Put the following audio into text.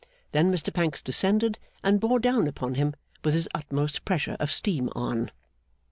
Then Mr Pancks descended and bore down upon him, with his utmost pressure of steam on.